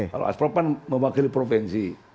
kalau asprop kan mewakili provinsi